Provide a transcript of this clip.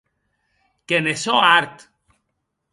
Que ne sò hart!